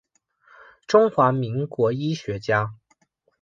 中华民国医学家。